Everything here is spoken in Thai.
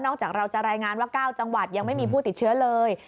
จากเราจะรายงานว่า๙จังหวัดยังไม่มีผู้ติดเชื้อเลย